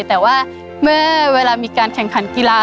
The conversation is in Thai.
แต่ว่าเมื่อเวลามีการแข่งขันกีฬา